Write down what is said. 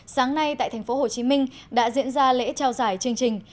sáng nay tại tp hcm đã diễn ra lễ trao giải chương trình